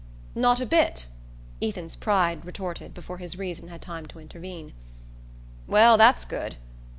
"Not a bit," Ethan's pride retorted before his reason had time to intervene. "Well, that's good!